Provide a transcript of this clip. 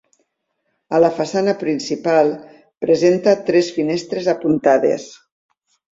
A la façana principal presenta tres finestres apuntades.